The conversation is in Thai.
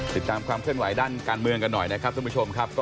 ติดตามความเคลื่อนไหวด้านการเมืองกันหน่อยนะครับท่านผู้ชมครับ